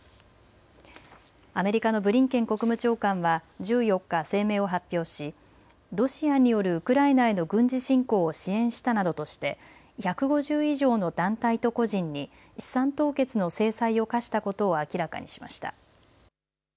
アメリカのブリンケン国務長官は１４日、声明を発表しロシアによるウクライナへの軍事侵攻を支援したなどとして１５０以上の団体と個人に資産凍結の制裁を科したことを明らかにしました。